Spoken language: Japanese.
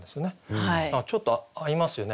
ちょっと合いますよね